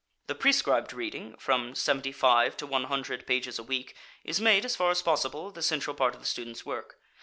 The prescribed reading, from seventy five to one hundred pages a week, is made, as far as possible, the central part of the student's work.